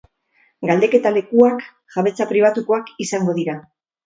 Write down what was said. Galdeketa lekuak jabetza pribatukoak izango dira.